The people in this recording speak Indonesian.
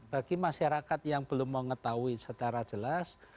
bagi masyarakat yang belum mengetahui secara jelas